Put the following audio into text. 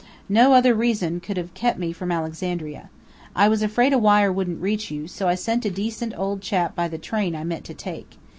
No other reason could have kept me from Alexandria. I was afraid a wire wouldn't reach you, so I sent a decent old chap by the train I meant to take.